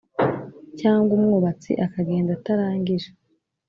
cyangwa umwubatsi akagenda atarangije.